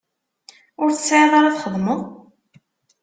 Ur tesɛiḍ ara txedmeḍ?